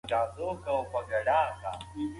اوس نو د سهار وختي سپېدې راختونکې وې.